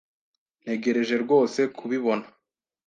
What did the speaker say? Ntegereje rwose kubibona.